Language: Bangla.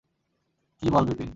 কী বল বিপিন?